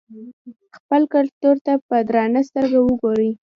خپل کلتور ته په درنه سترګه وګورئ.